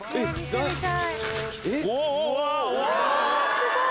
すごい。